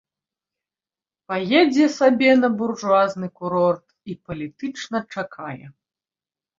Паедзе сабе на буржуазны курорт і палітычна чакае.